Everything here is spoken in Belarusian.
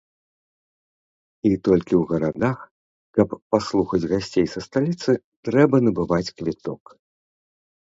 І толькі у гарадах, каб паслухаць гасцей са сталіцы, трэба набываць квіток.